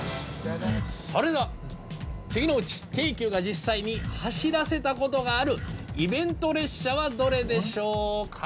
それでは次のうち京急が実際に走らせたことがあるイベント列車はどれでしょうか？